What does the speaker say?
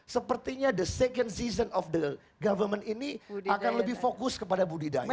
sepertinya the second season of the government ini akan lebih fokus kepada budidaya